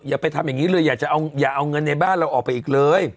อย่าไปทำอย่างนี้เลยอย่าเอาเงินในบ้านเราออกไปอีกเลย